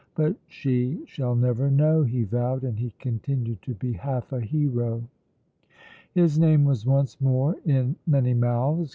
"But she shall never know!" he vowed, and he continued to be half a hero. His name was once more in many mouths.